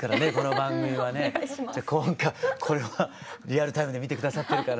じゃあ今回これはリアルタイムで見て下さってるかな。